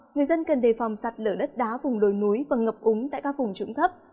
người dân cần đề phòng sạt lửa đất đá vùng lồi núi và ngập úng tại các vùng trụng thấp